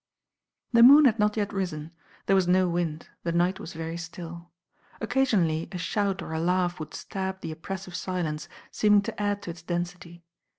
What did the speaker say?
The moon had not yet risen. There was no wind ; the night was very still. Occasionally a shout or a laugh would stab the oppressive silence, seem ing to add to its density.